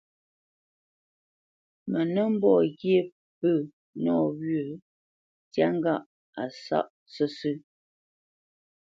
Mə nə́ mbɔ́ ghyé pə̂ nəwɔ̌ ntyá ŋgâʼ a sáʼ sə́sə̄.